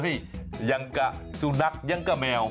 เฮ้ยยังกะซูนักยังกะแมว